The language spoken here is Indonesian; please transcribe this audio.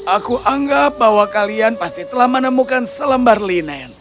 aku anggap bahwa kalian pasti telah menemukan selembar linen